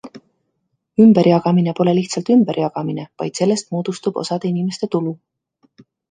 Ümberjagamine pole lihtsalt ümberjagamine, vaid sellest moodustub osade inimeste tulu.